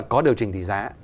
có điều chỉnh tỷ giá